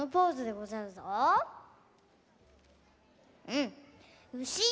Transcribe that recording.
うん。